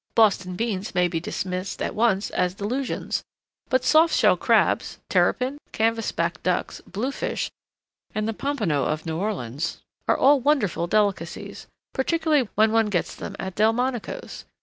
Boston beans may be dismissed at once as delusions, but soft shell crabs, terrapin, canvas back ducks, blue fish and the pompono of New Orleans are all wonderful delicacies, particularly when one gets them at Delmonico's.